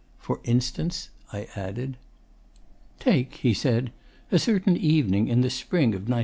'For instance?' I added. 'Take,' he said, 'a certain evening in the spring of '95.